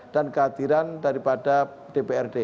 dan kehadiran daripada dprd